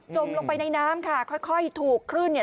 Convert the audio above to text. ลงไปในน้ำค่ะค่อยถูกคลื่นเนี่ย